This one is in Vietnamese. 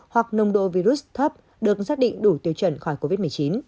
hoặc nồng độ virus thấp được xác định đủ tiêu chuẩn khỏi covid một mươi chín